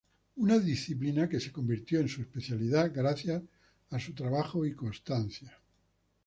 Una disciplina que se convirtió en su especialidad gracias a su trabajo y constancia.